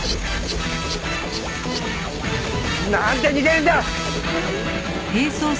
なんで逃げるんだ！